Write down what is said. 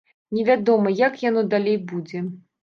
Не вядома, як яно далей будзе.